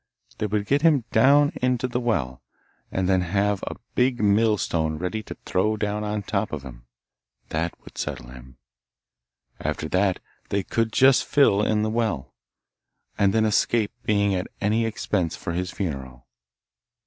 They would get him down into the well, and then have a big mill stone ready to throw down on top of him that would settle him. After that they could just fill in the well, and then escape being at any expense for his funeral.